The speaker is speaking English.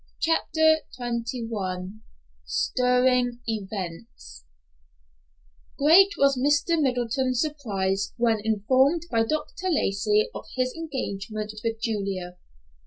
CHAPTER XXI STIRRING EVENTS Great was Mr. Middleton's surprise when informed by Dr. Lacey of his engagement with Julia.